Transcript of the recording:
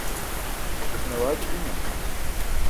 besan awaaji bima?